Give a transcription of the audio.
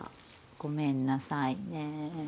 ごめんなさいね。